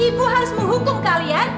ibu harus menghukum kalian